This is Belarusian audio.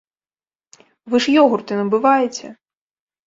Вы ж ёгурты набываеце!